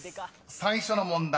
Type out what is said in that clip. ［最初の問題